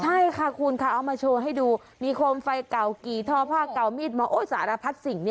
ใช่ค่ะคุณค่ะเอามาโชว์ให้ดูมีโคมไฟเก่ากี่ทอผ้าเก่ามีดมาสารพัดสิ่ง